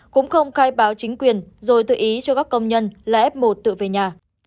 cũng không khai báo chính quyền rồi tự ý cho các công nhân là f một tự về nhà